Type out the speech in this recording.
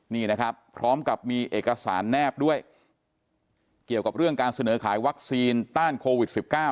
นี่นะครับพร้อมกับมีเอกสารแนบด้วยเกี่ยวกับเรื่องการเสนอขายวัคซีนต้านโควิด๑๙